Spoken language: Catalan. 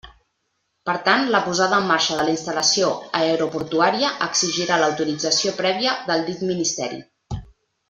Per tant, la posada en marxa de la instal·lació aeroportuària exigirà l'autorització prèvia del dit ministeri.